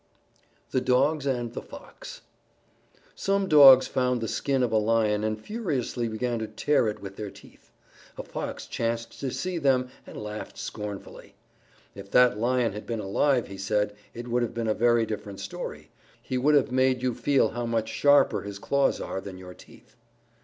_ THE DOGS AND THE FOX Some Dogs found the skin of a Lion and furiously began to tear it with their teeth. A Fox chanced to see them and laughed scornfully. "If that Lion had been alive," he said, "it would have been a very different story. He would have made you feel how much sharper his claws are than your teeth."